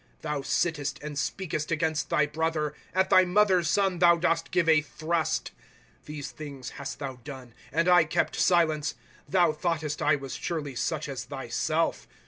^* Thou sittest, and speakest against thy brother ; At thy mother's son thou dost give a thrust. ^^ These things hast thou done, and I kept silence. Thou thoughtest I was surely such as thyself.